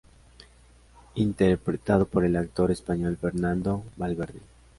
Interpretado por el actor español Fernando Valverde.